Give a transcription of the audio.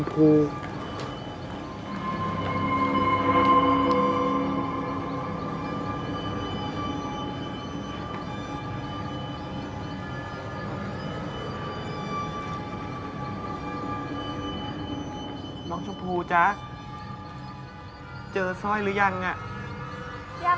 พี่ป๋องครับผมเคยไปที่บ้านผีคลั่งมาแล้ว